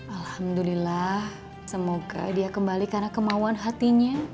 alhamdulillah semoga dia kembali karena kemauan hatinya